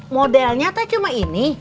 modelnya tak cuma ini